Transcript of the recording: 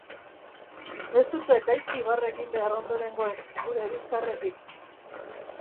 Ez dute gaizki barre egin behar ondorengoek gure bizkarretik!